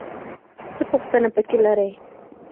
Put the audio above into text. څه پوښتنه پکې لرې؟